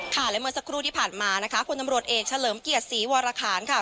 และเมื่อสักครู่ที่ผ่านมานะคะพลตำรวจเอกเฉลิมเกียรติศรีวรคารค่ะ